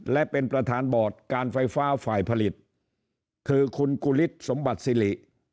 และเป็นประธานบอร์ดการไฟฟ้าฝ่ายผลิตคือคุณกุฤษสมบัติศิริ